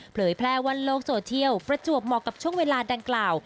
เผยแพร่วันโลกโซเทียลประจวบเหมาะกับช่วงเวลาดังกล่าว